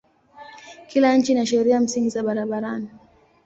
Kila nchi ina sheria msingi za barabarani.